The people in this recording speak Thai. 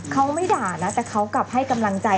เขาไม่ด่านะแต่เขากลับให้กำลังใจ